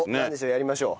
やりましょう。